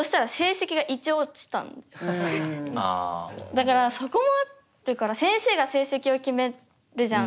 だからそこもあるから先生が成績を決めるじゃん。